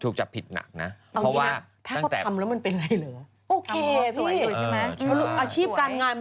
ถูกจับผิดหนักนะ